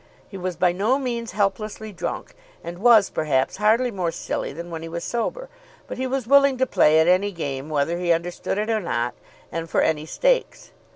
He was by no means helplessly drunk, and was, perhaps, hardly more silly than when he was sober; but he was willing to play at any game whether he understood it or not, and for any stakes.